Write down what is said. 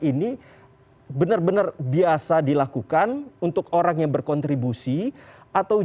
ini benar benar biasa dilakukan untuk orang yang berkontribusi atau